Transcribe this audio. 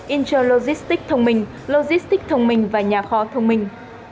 interlogistics thông minh logistics thông minh và nhà kho thông minh